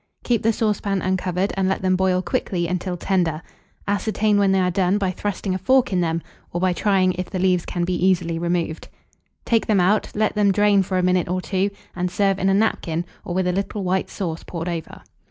Keep the saucepan uncovered, and let them boil quickly until tender; ascertain when they are done by thrusting a fork in them, or by trying if the leaves can be easily removed. Take them out, let them drain for a minute or two, and serve in a napkin, or with a little white sauce poured over.